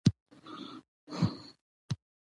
موږ باید ماشومانو ته د مسؤلیت او ځان کنټرول درس ورکړو